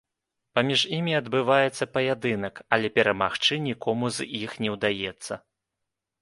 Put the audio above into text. Паміж імі адбываецца паядынак, але перамагчы нікому з іх не ўдаецца.